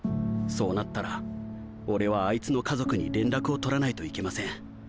そうなったら俺はあいつの家族に連絡を取らないといけません。